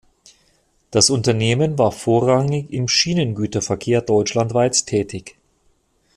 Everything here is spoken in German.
Das Unternehmen war vorrangig im Schienengüterverkehr deutschlandweit tätig.